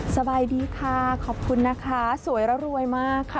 สบายดีค่ะขอบคุณนะคะสวยแล้วรวยมากค่ะ